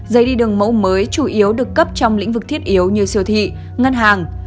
giấy đi đường mẫu mới chủ yếu được cấp trong lĩnh vực thiết yếu như siêu thị ngân hàng